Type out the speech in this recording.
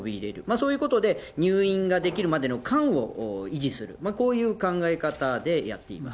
そういうことで、入院ができるまでの間を維持する、こういう考え方でやっています。